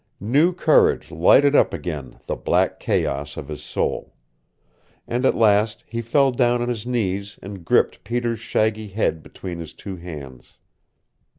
New courage lighted up again the black chaos of his soul. And at last he fell down on his knees and gripped Peter's shaggy head between his two hands.